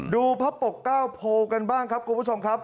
พระปกเก้าโพกันบ้างครับคุณผู้ชมครับ